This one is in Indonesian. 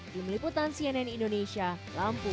di meliputan cnn indonesia lampung